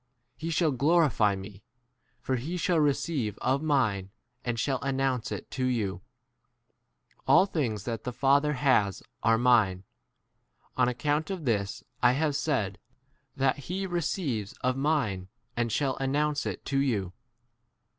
He 1 shall glorify me, for he shall receive of mine and shall announce 1 it to 15 you. All things that the Father has are mine ; on account of this I have said that he receives m of mine and shall announce l [it] to 16 you.